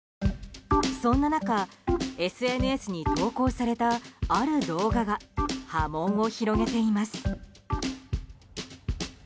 そんな中、ＳＮＳに投稿されたある動画が波紋を広げています。